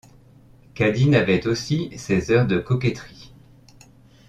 Cadine avait aussi ses heures de coquetterie.